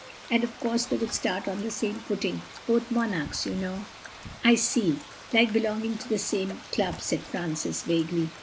And, of course, they would start on the same footing—both Monarchs, you know." "I see: like belonging to the same club," said Francis vaguely.